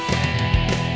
saya yang menang